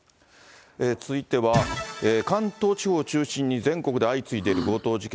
続いては、関東地方を中心に、全国で相次いでいる強盗事件。